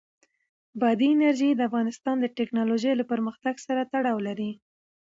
بادي انرژي د افغانستان د تکنالوژۍ له پرمختګ سره تړاو لري.